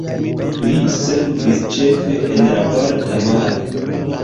Li servis ĉefe en la Balta Maro.